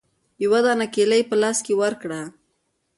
يوه دانه کېله يې په لاس کښې ورکړه.